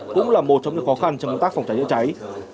cũng là một trong những khó khăn trong công tác phòng cháy chữa cháy